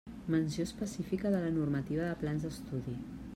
Menció específica de la normativa de plans d'estudi.